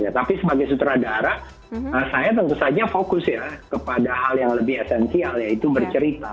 tapi sebagai sutradara saya tentu saja fokus ya kepada hal yang lebih esensial yaitu bercerita